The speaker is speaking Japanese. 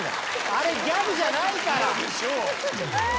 あれギャグじゃないから。